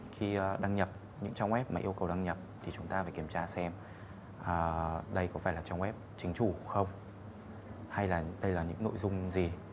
khi đăng nhập những trang web mà yêu cầu đăng nhập thì chúng ta phải kiểm tra xem đây có phải là trang web chính chủ không hay là đây là những nội dung gì